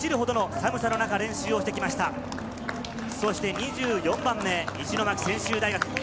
２４番目、石巻専修大学です。